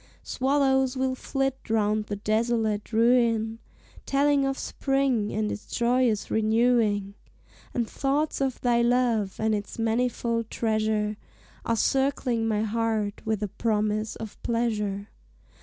Swallows will flit round the desolate ruin, Telling of spring and its joyous renewing; And thoughts of thy love, and its manifold treasure, Are circling my heart with a promise of pleasure.